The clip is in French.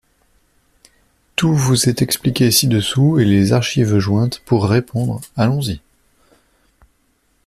Tout vous est expliqué ci-dessous et les archives jointes pour répondre, allons-y !